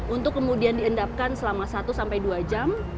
untuk kemudian diendapkan selama satu sampai dua jam